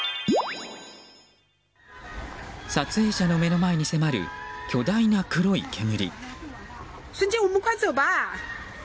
撮影者の目の前に迫る巨大な黒い煙。